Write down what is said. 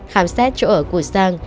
khám xét chỗ ở của giang